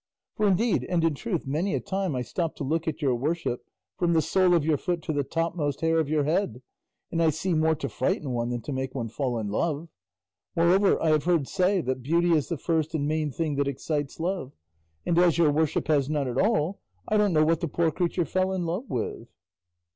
For indeed and in truth many a time I stop to look at your worship from the sole of your foot to the topmost hair of your head, and I see more to frighten one than to make one fall in love; moreover I have heard say that beauty is the first and main thing that excites love, and as your worship has none at all, I don't know what the poor creature fell in love with."